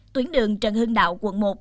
tuyến đường trần hưng đạo quận một